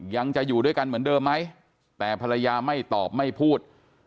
ยังจะอยู่ด้วยกันเหมือนเดิมไหมแต่ภรรยาไม่ตอบไม่พูด